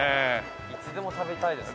いつでも食べたいですね。